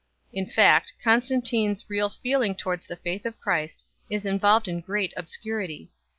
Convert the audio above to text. In fact, Constan tine s real feeling towards the faith of Christ is involved in great obscurity.